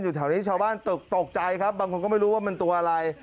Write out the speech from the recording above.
แถวนี้ชาวบ้านตกใจครับบางคนก็ไม่รู้ว่ามันตัวอะไร